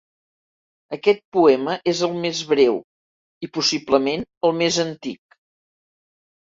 Aquest poema és el més breu i, possiblement, el més antic.